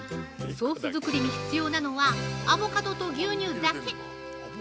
ソース作りに必要なのはアボカドと牛乳だけ。